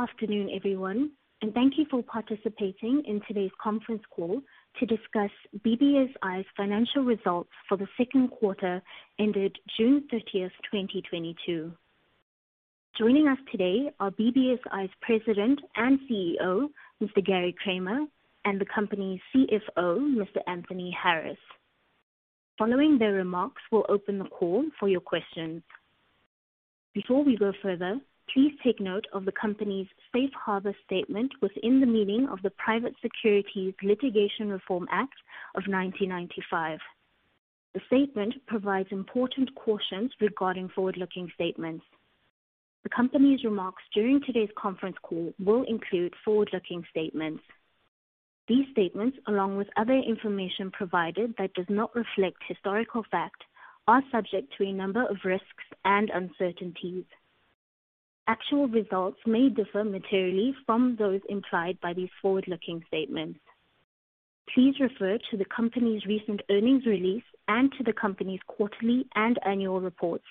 Afternoon, everyone, and thank you for participating in today's conference call to discuss BBSI's financial results for the second quarter ended June 30th, 2022. Joining us today are BBSI's President and CEO, Mr. Gary Kramer, and the company's CFO, Mr. Anthony Harris. Following their remarks, we'll open the call for your questions. Before we go further, please take note of the company's Safe Harbor statement within the meaning of the Private Securities Litigation Reform Act of 1995. The statement provides important cautions regarding forward-looking statements. The company's remarks during today's conference call will include forward-looking statements. These statements, along with other information provided that does not reflect historical fact, are subject to a number of risks and uncertainties. Actual results may differ materially from those implied by these forward-looking statements. Please refer to the company's recent earnings release and to the company's quarterly and annual reports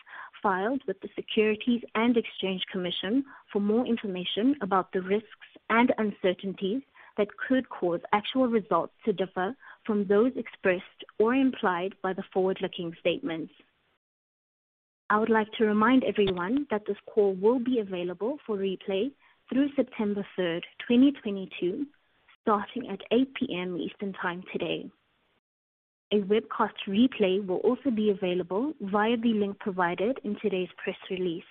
filed with the Securities and Exchange Commission for more information about the risks and uncertainties that could cause actual results to differ from those expressed or implied by the forward-looking statements. I would like to remind everyone that this call will be available for replay through September 3rd, 2022, starting at 8:00 P.M. Eastern Time today. A webcast replay will also be available via the link provided in today's press release,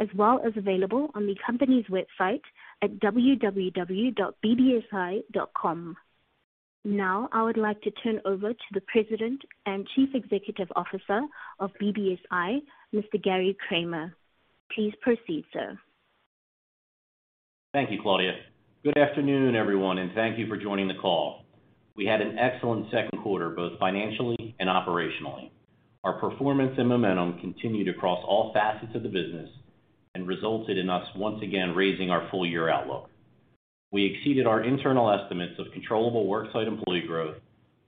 as well as available on the company's website at www.bbsi.com. Now, I would like to turn over to the President and Chief Executive Officer of BBSI, Mr. Gary Kramer. Please proceed, sir. Thank you, Claudia. Good afternoon, everyone, and thank you for joining the call. We had an excellent second quarter, both financially and operationally. Our performance and momentum continued across all facets of the business and resulted in us once again raising our full year outlook. We exceeded our internal estimates of controllable worksite employee growth,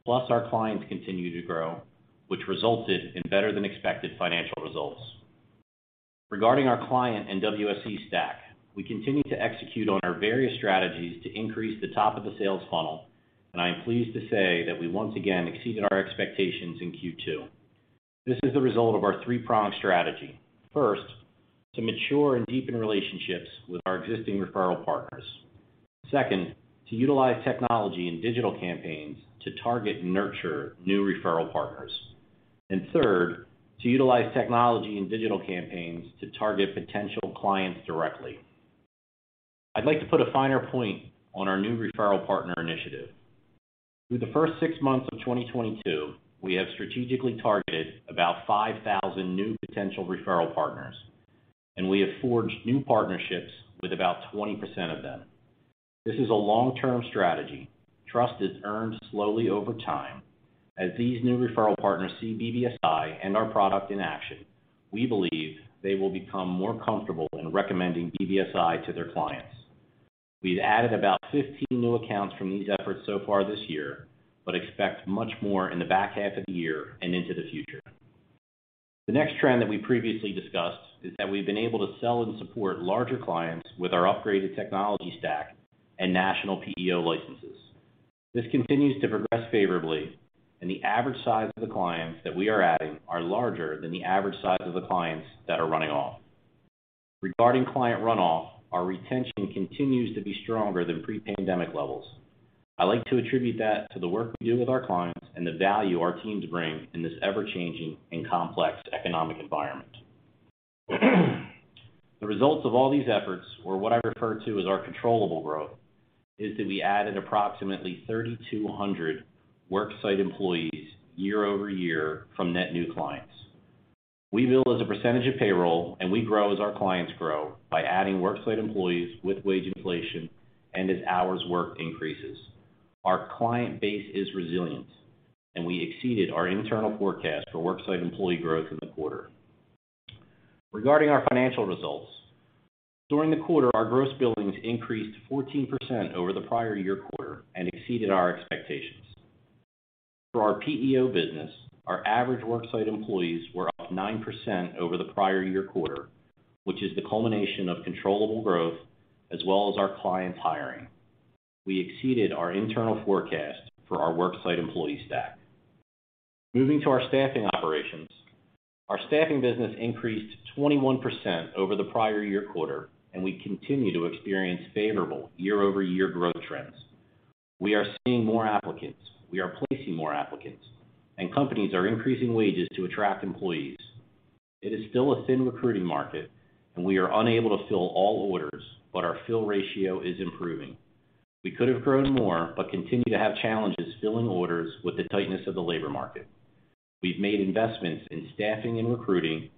plus our clients continued to grow, which resulted in better than expected financial results. Regarding our client and WSE stack, we continue to execute on our various strategies to increase the top of the sales funnel, and I am pleased to say that we once again exceeded our expectations in Q2. This is the result of our three-pronged strategy. First, to mature and deepen relationships with our existing referral partners. Second, to utilize technology and digital campaigns to target and nurture new referral partners. Third, to utilize technology and digital campaigns to target potential clients directly. I'd like to put a finer point on our new referral partner initiative. Through the first six months of 2022, we have strategically targeted about 5,000 new potential referral partners, and we have forged new partnerships with about 20% of them. This is a long-term strategy. Trust is earned slowly over time. As these new referral partners see BBSI and our product in action, we believe they will become more comfortable in recommending BBSI to their clients. We've added about 15 new accounts from these efforts so far this year, but expect much more in the back half of the year and into the future. The next trend that we previously discussed is that we've been able to sell and support larger clients with our upgraded technology stack and national PEO licenses. This continues to progress favorably, and the average size of the clients that we are adding are larger than the average size of the clients that are running off. Regarding client runoff, our retention continues to be stronger than pre-pandemic levels. I like to attribute that to the work we do with our clients and the value our teams bring in this ever-changing and complex economic environment. The results of all these efforts, or what I refer to as our controllable growth, is that we added approximately 3,200 worksite employees year-over-year from net new clients. We bill as a percentage of payroll, and we grow as our clients grow by adding worksite employees with wage inflation and as hours worked increases. Our client base is resilient, and we exceeded our internal forecast for worksite employee growth in the quarter. Regarding our financial results, during the quarter, our gross billings increased 14% over the prior year quarter and exceeded our expectations. For our PEO business, our average worksite employees were up 9% over the prior year quarter, which is the culmination of controllable growth as well as our clients hiring. We exceeded our internal forecast for our worksite employee stack. Moving to our staffing operations. Our staffing business increased 21% over the prior year quarter, and we continue to experience favorable year-over-year growth trends. We are seeing more applicants, we are placing more applicants, and companies are increasing wages to attract employees. It is still a thin recruiting market, and we are unable to fill all orders, but our fill ratio is improving. We could have grown more, but continue to have challenges filling orders with the tightness of the labor market. We've made investments in staffing and recruiting,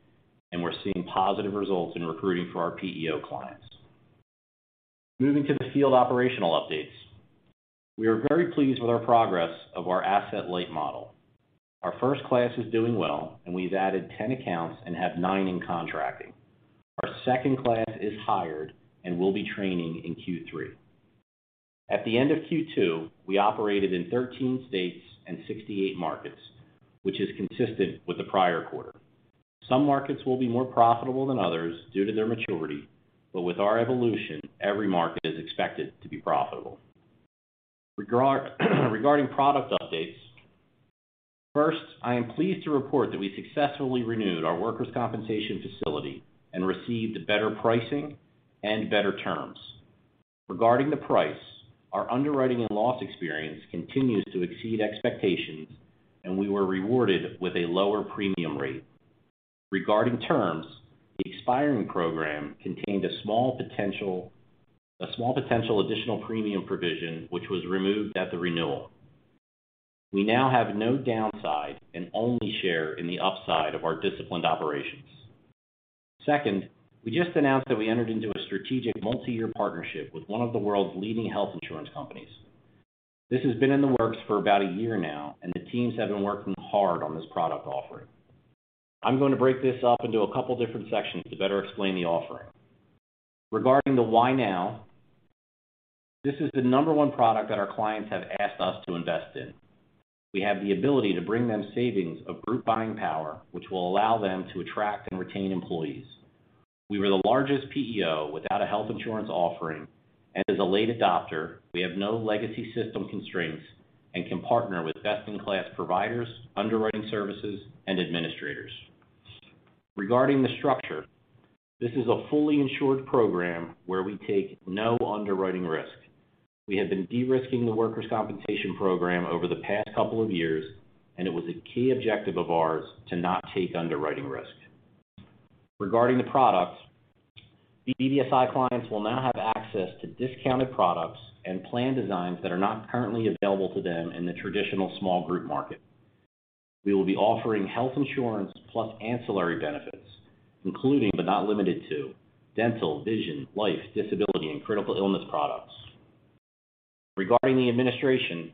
and we're seeing positive results in recruiting for our PEO clients. Moving to the field operational updates. We are very pleased with our progress of our asset-light model. Our first class is doing well, and we've added 10 accounts and have nine in contracting. Our second class is hired and will be training in Q3. At the end of Q2, we operated in 13 states and 68 markets, which is consistent with the prior quarter. Some markets will be more profitable than others due to their maturity, but with our evolution, every market is expected to be profitable. Regarding product updates, first, I am pleased to report that we successfully renewed our workers' compensation facility and received better pricing and better terms. Regarding the price, our underwriting and loss experience continues to exceed expectations, and we were rewarded with a lower premium rate. Regarding terms, the expiring program contained a small potential additional premium provision, which was removed at the renewal. We now have no downside and only share in the upside of our disciplined operations. Second, we just announced that we entered into a strategic multi-year partnership with one of the world's leading health insurance companies. This has been in the works for about a year now, and the teams have been working hard on this product offering. I'm going to break this up into a couple different sections to better explain the offering. Regarding the why now, this is the number one product that our clients have asked us to invest in. We have the ability to bring them savings of group buying power, which will allow them to attract and retain employees. We were the largest PEO without a health insurance offering, and as a late adopter, we have no legacy system constraints and can partner with best-in-class providers, underwriting services, and administrators. Regarding the structure, this is a fully insured program where we take no underwriting risk. We have been de-risking the workers' compensation program over the past couple of years, and it was a key objective of ours to not take underwriting risk. Regarding the product, BBSI clients will now have access to discounted products and plan designs that are not currently available to them in the traditional small group market. We will be offering health insurance plus ancillary benefits, including, but not limited to dental, vision, life, disability, and critical illness products. Regarding the administration,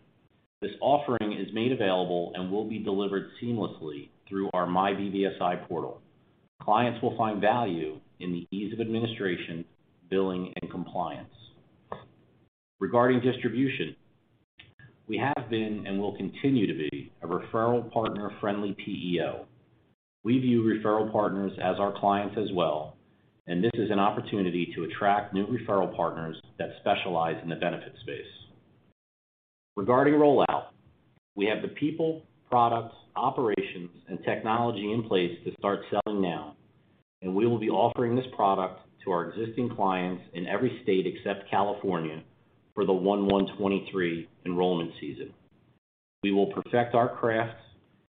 this offering is made available and will be delivered seamlessly through our myBBSI Portal. Clients will find value in the ease of administration, billing, and compliance. Regarding distribution, we have been and will continue to be a referral partner-friendly PEO. We view referral partners as our clients as well, and this is an opportunity to attract new referral partners that specialize in the benefits space. Regarding rollout, we have the people, products, operations, and technology in place to start selling now, and we will be offering this product to our existing clients in every state except California for the 2023 enrollment season. We will perfect our crafts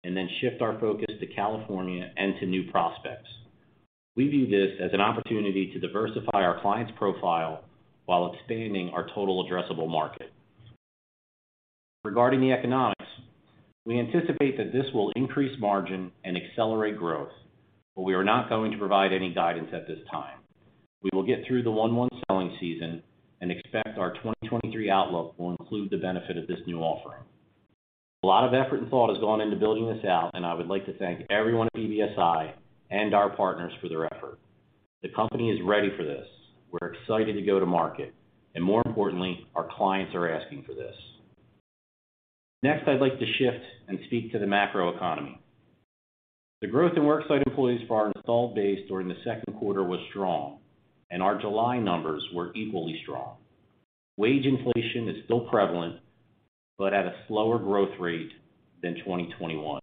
and then shift our focus to California and to new prospects. We view this as an opportunity to diversify our clients' profile while expanding our total addressable market. Regarding the economics, we anticipate that this will increase margin and accelerate growth, but we are not going to provide any guidance at this time. We will get through the Q1 selling season and expect our 2023 outlook will include the benefit of this new offering. A lot of effort and thought has gone into building this out, and I would like to thank everyone at BBSI and our partners for their effort. The company is ready for this. We're excited to go to market, and more importantly, our clients are asking for this. Next, I'd like to shift and speak to the macroeconomy. The growth in worksite employees for our installed base during the second quarter was strong, and our July numbers were equally strong. Wage inflation is still prevalent, but at a slower growth rate than 2021.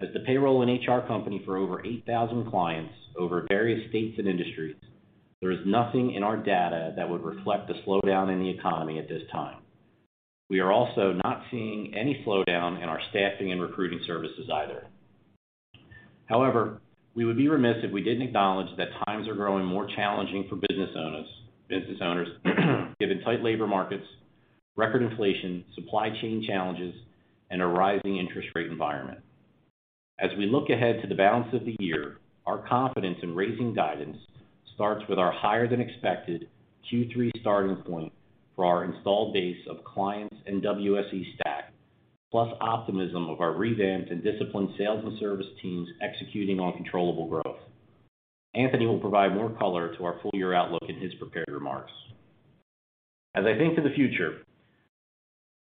As the payroll and HR company for over 8,000 clients over various states and industries, there is nothing in our data that would reflect a slowdown in the economy at this time. We are also not seeing any slowdown in our staffing and recruiting services either. However, we would be remiss if we didn't acknowledge that times are growing more challenging for business owners given tight labor markets, record inflation, supply chain challenges, and a rising interest rate environment. As we look ahead to the balance of the year, our confidence in raising guidance starts with our higher than expected Q3 starting point for our installed base of clients and WSE stack, plus optimism of our revamped and disciplined sales and service teams executing on controllable growth. Anthony will provide more color to our full year outlook in his prepared remarks. As I think to the future,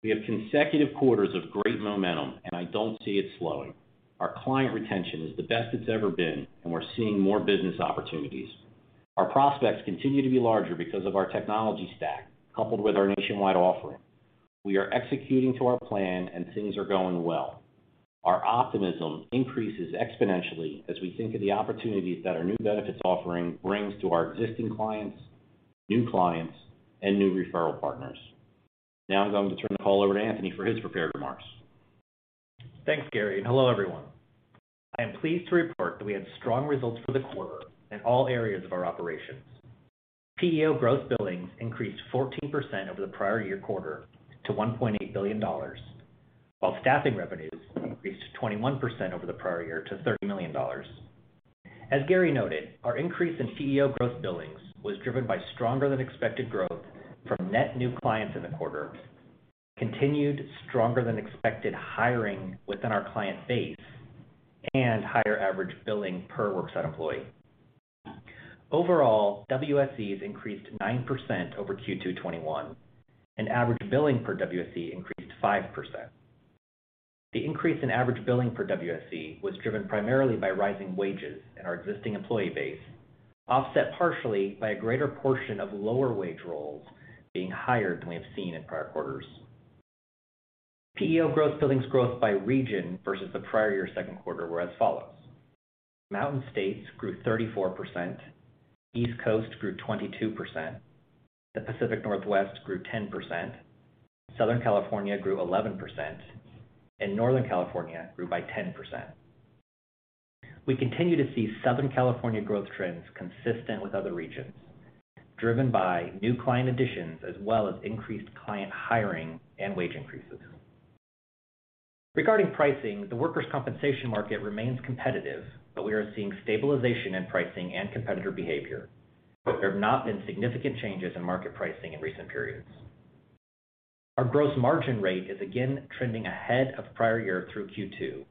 we have consecutive quarters of great momentum, and I don't see it slowing. Our client retention is the best it's ever been, and we're seeing more business opportunities. Our prospects continue to be larger because of our technology stack, coupled with our nationwide offering. We are executing to our plan, and things are going well. Our optimism increases exponentially as we think of the opportunities that our new benefits offering brings to our existing clients, new clients, and new referral partners. Now I'm going to turn the call over to Anthony for his prepared remarks. Thanks, Gary, and hello, everyone. I am pleased to report that we had strong results for the quarter in all areas of our operations. PEO gross billings increased 14% over the prior year quarter to $1.8 billion, while staffing revenues increased 21% over the prior year to $30 million. As Gary noted, our increase in PEO gross billings was driven by stronger than expected growth from net new clients in the quarter, continued stronger than expected hiring within our client base, and higher average billing per worksite employee. Overall, WSEs increased 9% over Q2 2021, and average billing per WSE increased 5%. The increase in average billing per WSE was driven primarily by rising wages in our existing employee base, offset partially by a greater portion of lower wage roles being hired than we have seen in prior quarters. PEO growth, billings growth by region versus the prior year's second quarter were as follows: Mountain States grew 34%, East Coast grew 22%, the Pacific Northwest grew 10%, Southern California grew 11%, and Northern California grew by 10%. We continue to see Southern California growth trends consistent with other regions, driven by new client additions as well as increased client hiring and wage increases. Regarding pricing, the workers' compensation market remains competitive, but we are seeing stabilization in pricing and competitor behavior. There have not been significant changes in market pricing in recent periods. Our gross margin rate is again trending ahead of prior year through Q2,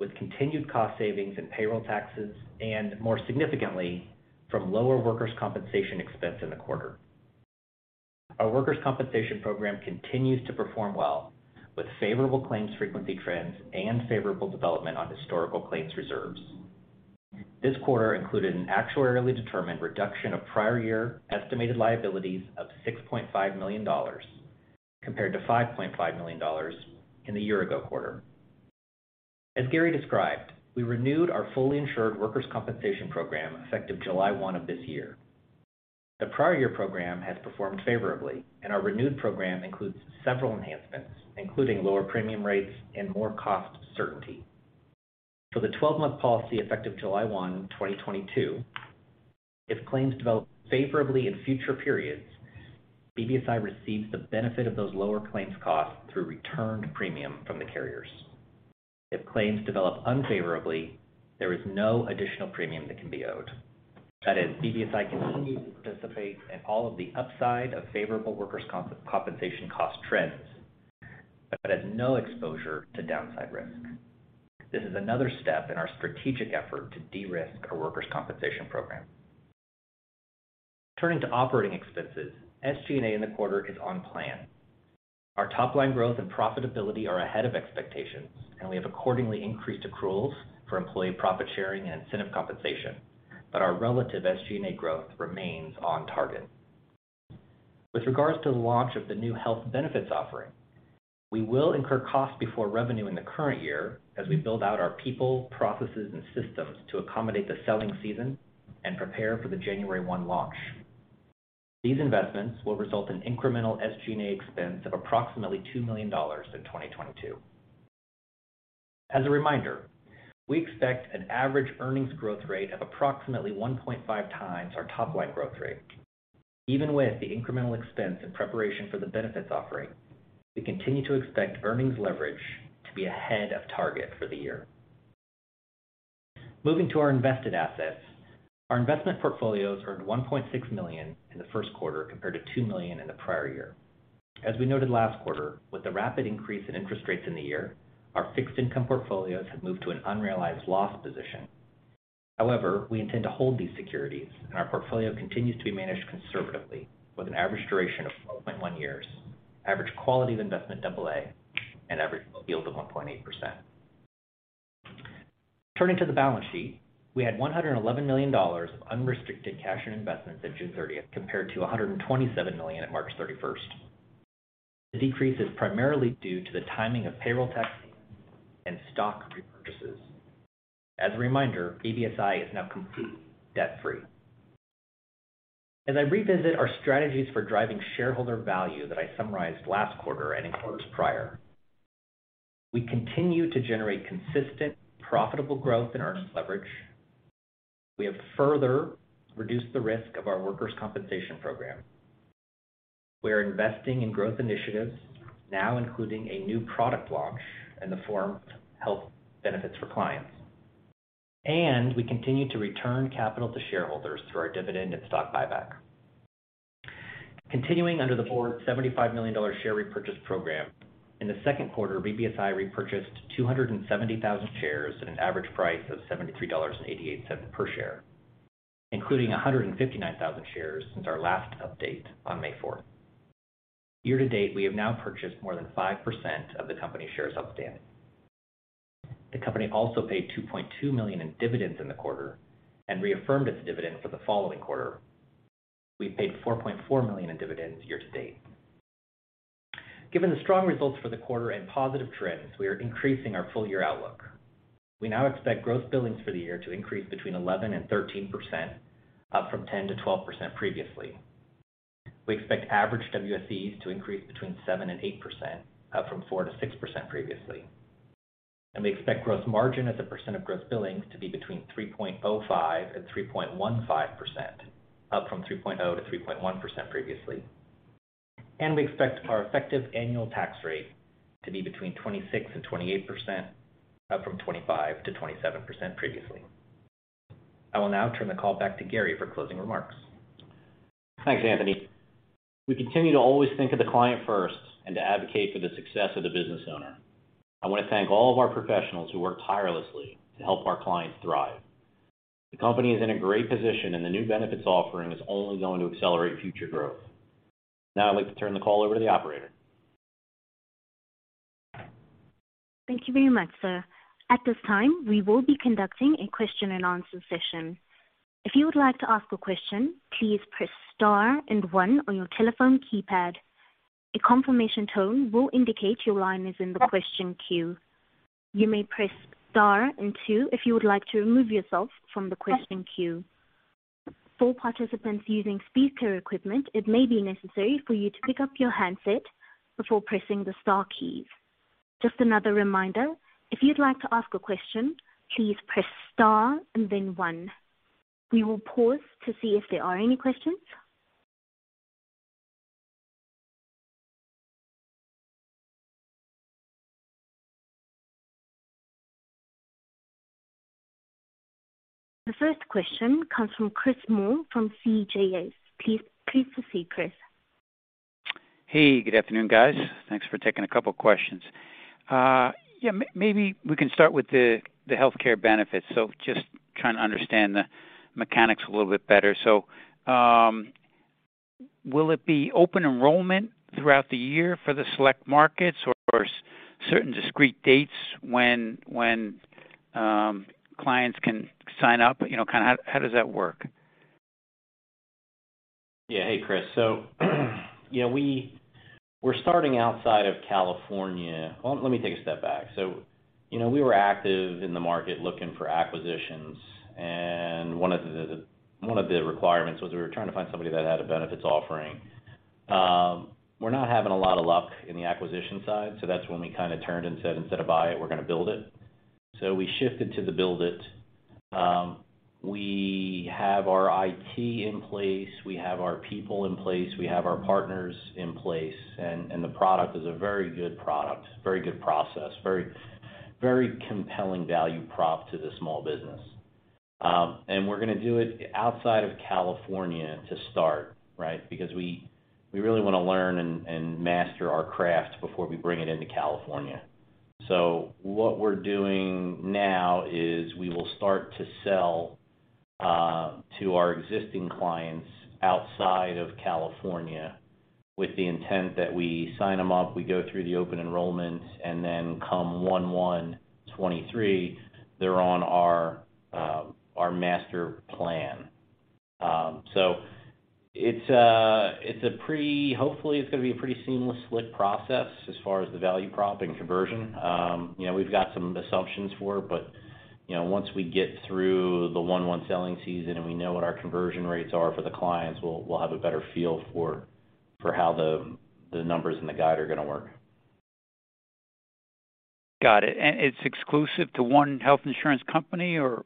with continued cost savings in payroll taxes and, more significantly, from lower workers' compensation expense in the quarter. Our workers' compensation program continues to perform well, with favorable claims frequency trends and favorable development on historical claims reserves. This quarter included an actuarially determined reduction of prior year estimated liabilities of $6.5 million compared to $5.5 million in the year ago quarter. As Gary described, we renewed our fully insured workers' compensation program effective July 1 of this year. The prior year program has performed favorably, and our renewed program includes several enhancements, including lower premium rates and more cost certainty. For the 12-month policy effective July 1, 2022, if claims develop favorably in future periods, BBSI receives the benefit of those lower claims costs through returned premium from the carriers. If claims develop unfavorably, there is no additional premium that can be owed. That is, BBSI continues to participate in all of the upside of favorable workers' compensation cost trends, but it has no exposure to downside risk. This is another step in our strategic effort to de-risk our workers' compensation program. Turning to operating expenses, SG&A in the quarter is on plan. Our top line growth and profitability are ahead of expectations, and we have accordingly increased accruals for employee profit sharing and incentive compensation, but our relative SG&A growth remains on target. With regards to the launch of the new health benefits offering, we will incur costs before revenue in the current year as we build out our people, processes, and systems to accommodate the selling season and prepare for the January 1 launch. These investments will result in incremental SG&A expense of approximately $2 million in 2022. As a reminder, we expect an average earnings growth rate of approximately 1.5 times our top line growth rate. Even with the incremental expense in preparation for the benefits offering, we continue to expect earnings leverage to be ahead of target for the year. Moving to our invested assets. Our investment portfolios earned $1.6 million in the first quarter, compared to $2 million in the prior year. As we noted last quarter, with the rapid increase in interest rates in the year, our fixed income portfolios have moved to an unrealized loss position. However, we intend to hold these securities, and our portfolio continues to be managed conservatively with an average duration of 4.1 years, average quality of AA, and average yield of 1.8%. Turning to the balance sheet, we had $111 million of unrestricted cash and investments at June 30, compared to $127 million at March 31. The decrease is primarily due to the timing of payroll taxes and stock repurchases. As a reminder, BBSI is now completely debt-free. As I revisit our strategies for driving shareholder value that I summarized last quarter and in quarters prior, we continue to generate consistent, profitable growth in earnings leverage. We have further reduced the risk of our workers' compensation program. We are investing in growth initiatives now including a new product launch in the form of health benefits for clients. We continue to return capital to shareholders through our dividend and stock buyback. Continuing under the board $75 million share repurchase program, in the second quarter, BBSI repurchased 270,000 shares at an average price of $73.88 per share, including 159,000 shares since our last update on May 4. Year to date, we have now purchased more than 5% of the company shares outstanding. The company also paid $2.2 million in dividends in the quarter and reaffirmed its dividend for the following quarter. We've paid $4.4 million in dividends year to date. Given the strong results for the quarter and positive trends, we are increasing our full year outlook. We now expect gross billings for the year to increase between 11% and 13%, up from 10%-12% previously. We expect average WSEs to increase between 7% and 8%, up from 4%-6% previously. We expect gross margin as a percent of gross billings to be between 3.05% and 3.15%, up from 3.0% to 3.1% previously. We expect our effective annual tax rate to be between 26% and 28%, up from 25% to 27% previously. I will now turn the call back to Gary for closing remarks. Thanks, Anthony. We continue to always think of the client first and to advocate for the success of the business owner. I want to thank all of our professionals who work tirelessly to help our clients thrive. The company is in a great position, and the new benefits offering is only going to accelerate future growth. Now I'd like to turn the call over to the operator. Thank you very much, sir. At this time, we will be conducting a question and answer session. If you would like to ask a question, please press star and one on your telephone keypad. A confirmation tone will indicate your line is in the question queue. You may press star and two if you would like to remove yourself from the question queue. For participants using speaker equipment, it may be necessary for you to pick up your handset before pressing the star keys. Just another reminder, if you'd like to ask a question, please press star and then one. We will pause to see if there are any questions. The first question comes from Chris Moore from CJS. Please proceed, Chris. Hey, good afternoon, guys. Thanks for taking a couple of questions. Yeah, we can start with the healthcare benefits. Just trying to understand the mechanics a little bit better. Will it be open enrollment throughout the year for the select markets or certain discrete dates when clients can sign up? You know, kinda how does that work? Hey, Chris. You know, we're starting outside of California. Well, let me take a step back. You know, we were active in the market looking for acquisitions, and one of the requirements was we were trying to find somebody that had a benefits offering. We're not having a lot of luck in the acquisition side, so that's when we kind of turned and said, "Instead of buy it, we're gonna build it." We shifted to the build it. We have our IT in place, we have our people in place, we have our partners in place, and the product is a very good product, very good process, very compelling value prop to the small business. We're gonna do it outside of California to start, right? Because we really wanna learn and master our craft before we bring it into California. What we're doing now is we will start to sell to our existing clients outside of California with the intent that we sign them up, we go through the open enrollment, and then come 1/1/2023, they're on our master plan. Hopefully, it's gonna be a pretty seamless, slick process as far as the value prop and conversion. You know, we've got some assumptions for it, but you know, once we get through the 1/1 selling season and we know what our conversion rates are for the clients, we'll have a better feel for how the numbers and the guide are gonna work. Got it. It's exclusive to one health insurance company or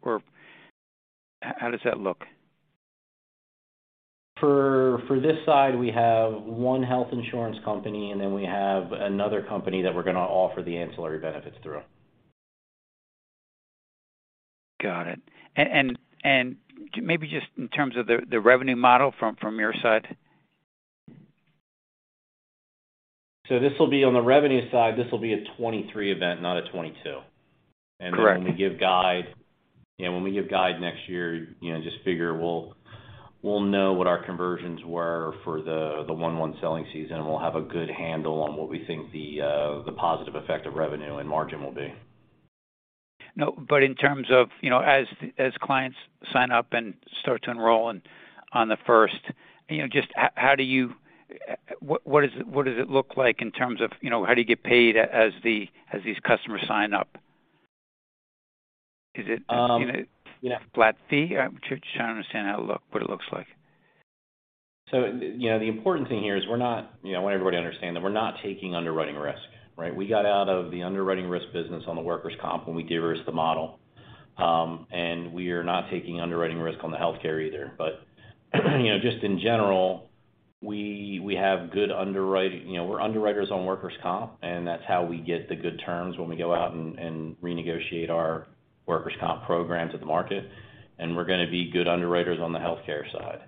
how does that look? For this side, we have one health insurance company, and then we have another company that we're gonna offer the ancillary benefits through. Got it. Maybe just in terms of the revenue model from your side. On the revenue side, this will be a 2023 event, not a 2022. Correct. When we give guide next year, you know, just figure we'll know what our conversions were for the one/one selling season, and we'll have a good handle on what we think the positive effect of revenue and margin will be. No. In terms of, you know, as clients sign up and start to enroll on the first, you know, what does it look like in terms of, you know, how do you get paid as these customers sign up? Is it? Yeah. Is it a flat fee? I'm just trying to understand what it looks like. You know, the important thing here is we're not, you know, I want everybody to understand that we're not taking underwriting risk, right? We got out of the underwriting risk business on the workers' comp when we de-risked the model. We are not taking underwriting risk on the healthcare either. You know, just in general, we're underwriters on workers' comp, and that's how we get the good terms when we go out and renegotiate our workers' comp programs at the market, and we're gonna be good underwriters on the healthcare side.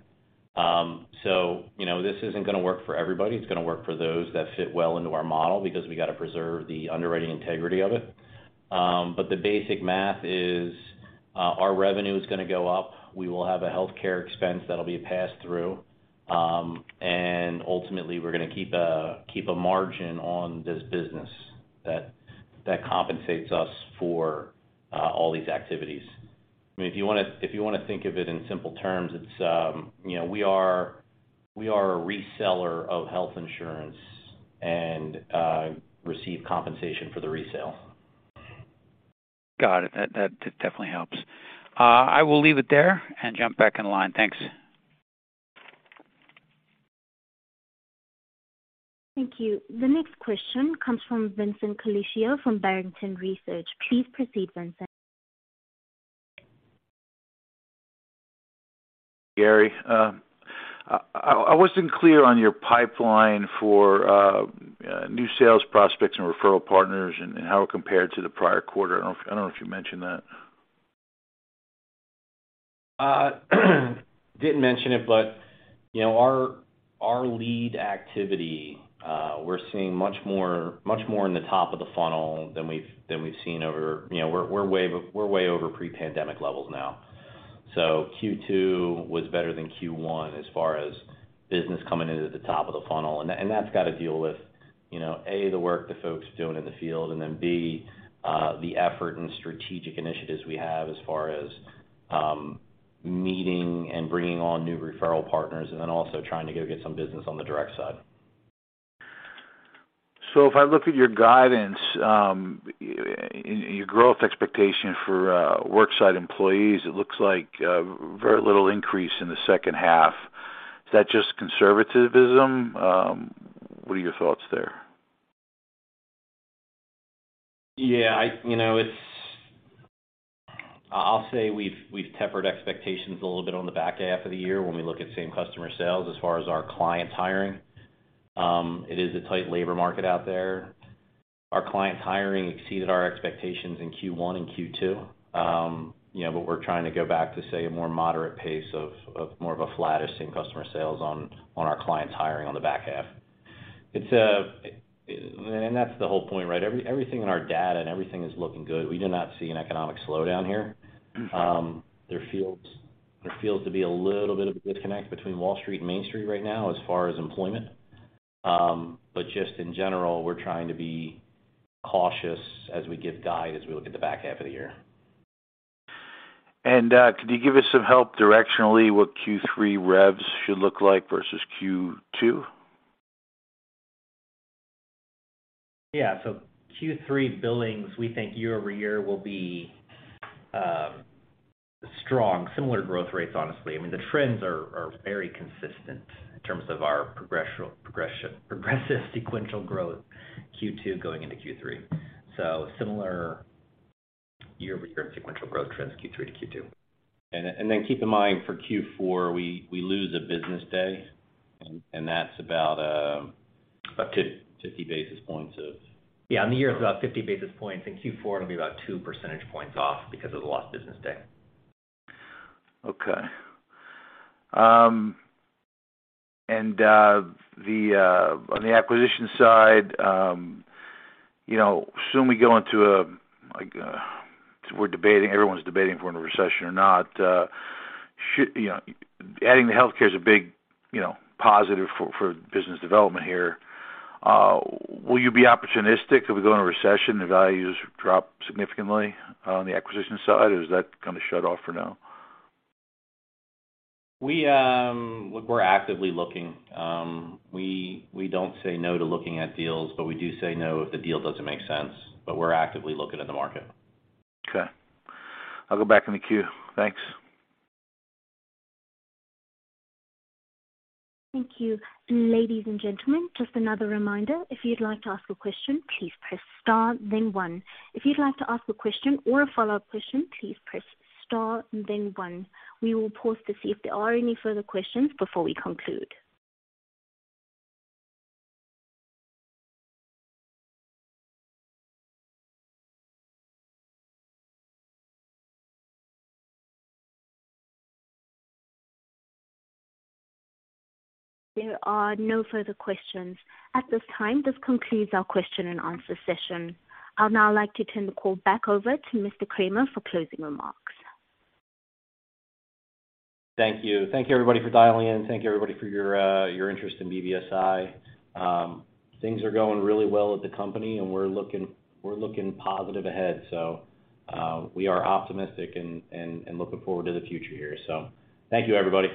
You know, this isn't gonna work for everybody. It's gonna work for those that fit well into our model because we got to preserve the underwriting integrity of it. The basic math is our revenue is gonna go up. We will have a healthcare expense that'll be passed through. Ultimately, we're gonna keep a margin on this business that compensates us for all these activities. I mean, if you wanna think of it in simple terms, it's, you know, we are a reseller of health insurance and receive compensation for the resale. Got it. That definitely helps. I will leave it there and jump back in line. Thanks. Thank you. The next question comes from Vincent Colicchio from Barrington Research. Please proceed, Vincent. Gary, I wasn't clear on your pipeline for new sales prospects and referral partners and how it compared to the prior quarter. I don't know if you mentioned that. Didn't mention it, you know, our lead activity, we're seeing much more in the top of the funnel than we've seen. You know, we're way over pre-pandemic levels now. Q2 was better than Q1 as far as business coming in at the top of the funnel. That's got to deal with, you know, A, the work the folks doing in the field, and then B, the effort and strategic initiatives we have as far as meeting and bringing on new referral partners and then also trying to go get some business on the direct side. If I look at your guidance, your growth expectation for worksite employees, it looks like very little increase in the second half. Is that just conservatism? What are your thoughts there? You know, I'll say we've tempered expectations a little bit on the back half of the year when we look at same customer sales as far as our clients hiring. It is a tight labor market out there. Our clients hiring exceeded our expectations in Q1 and Q2. You know, we're trying to go back to, say, a more moderate pace of more of a flattish same customer sales on our clients hiring on the back half. That's the whole point, right? Everything in our data and everything is looking good. We do not see an economic slowdown here. There feels to be a little bit of a disconnect between Wall Street and Main Street right now as far as employment. Just in general, we're trying to be cautious as we give guidance, as we look at the back half of the year. Could you give us some help directionally what Q3 revs should look like versus Q2? Yeah. Q3 billings, we think year-over-year will be strong. Similar growth rates, honestly. I mean, the trends are very consistent in terms of our progressive sequential growth Q2 going into Q3. Similar year-over-year sequential growth trends, Q3 to Q2. keep in mind for Q4, we lose a business day, and that's about up to 50 basis points of- Yeah, on the year, it's about 50 basis points. In Q4, it'll be about 2% points off because of the lost business day. Okay. On the acquisition side, you know, assume we go into, like, we're debating, everyone's debating if we're in a recession or not. You know, adding the healthcare is a big, you know, positive for business development here. Will you be opportunistic if we go into recession, the values drop significantly on the acquisition side? Or is that kind of shut off for now? Look, we're actively looking. We don't say no to looking at deals, but we do say no if the deal doesn't make sense. We're actively looking at the market. Okay. I'll go back in the queue. Thanks. Thank you. Ladies and gentlemen, just another reminder. If you'd like to ask a question, please press star then one. If you'd like to ask a question or a follow-up question, please press star then one. We will pause to see if there are any further questions before we conclude. There are no further questions. At this time, this concludes our question and answer session. I'll now like to turn the call back over to Gary Kramer for closing remarks. Thank you. Thank you, everybody, for dialing in. Thank you, everybody, for your interest in BBSI. Things are going really well at the company, and we're looking positive ahead. We are optimistic and looking forward to the future here. Thank you, everybody.